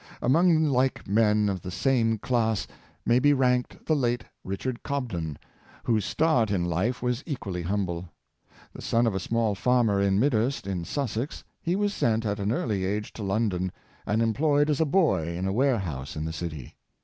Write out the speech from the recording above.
"" Among like men of the same class may be ranked the late Richard Cobden, whose start in life was equal ly humble. The son of a small farmer at Midhurst, in Sussex, he was sent at an early age to London, and em ployed as a boy in a warehouse in the city.